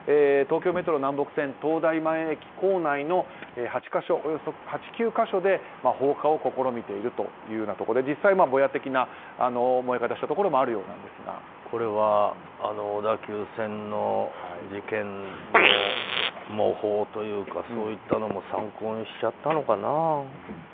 東京メトロ南北線東大前駅構内のおよそ８９か所で放火を試みているということで実際、ボヤ的な燃え方をしたところも小田急線の事件の模倣というかそういったのも参考にしちゃったのかな。